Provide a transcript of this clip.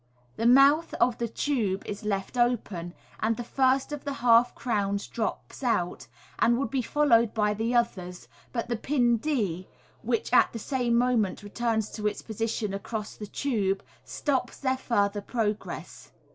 The mouth of the tube is left open, and the first of the half crowns drops out, and would be followed by the others, but the pin, dy which at the same moment returns to its posi tion across the tube, stops their further progress.